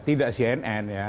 tidak cnn ya